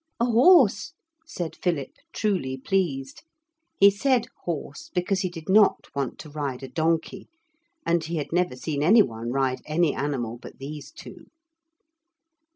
'A horse,' said Philip, truly pleased. He said horse, because he did not want to ride a donkey, and he had never seen any one ride any animal but these two.